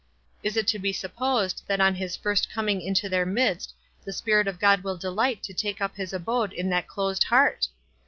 Is it to be supposed that on his first coming into their midst the Spirit of God will delight to take up his abode in that closed heart?